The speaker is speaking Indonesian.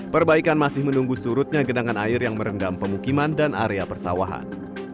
perbaikan masih menunggu surutnya genangan air yang merendam pemukiman dan area persawahan